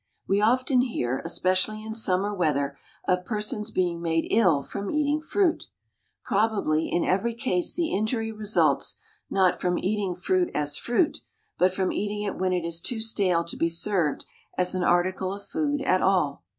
We often hear, especially in summer weather, of persons being made ill from eating fruit. Probably in every case the injury results, not from eating fruit as fruit, but from eating it when it is too stale to be served as an article of food at all.